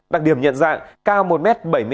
đặc điểm nhận dạng cao một m bảy mươi năm